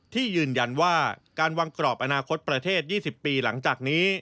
ที่ยืนยันว่าการวางกรอบอนาคตประเทศ๒๐ปีหลังจากนี้